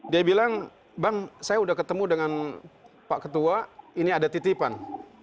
dia bilang bang saya udah ketemu dengan pak ketua ini ada titipan